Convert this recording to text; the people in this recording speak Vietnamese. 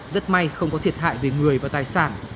rất may không có thiệt hại về người và tài sản